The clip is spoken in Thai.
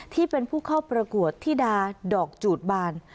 ที่เป็นผู้เข้าประกวดธิดาดอกจูดบาน